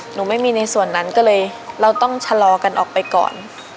หนูไม่มีในส่วนนั้นก็เลยเราต้องชะลอกันออกไปก่อน